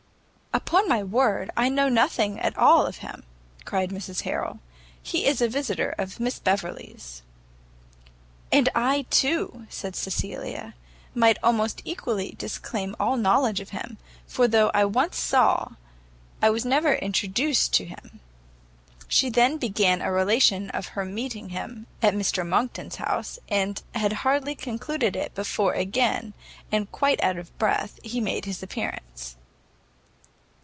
"Upon my word I know nothing at all of him," said Mrs Harrel; "he is a visitor of Miss Beverley's." "And I, too," said Cecilia, "might almost equally disclaim all knowledge of him; for though I once saw, I never was introduced to him." She then began a relation of her meeting him at Mr Monckton's house, and had hardly concluded it, before again, and quite out of breath, he made his appearance.